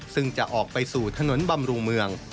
ซึ่งจะออกไปสู่ถนนบำรุงเมือง